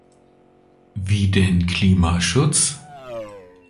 Wie den Klimaschutz?